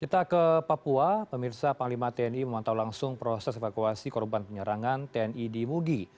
kita ke papua pemirsa panglima tni memantau langsung proses evakuasi korban penyerangan tni di mugi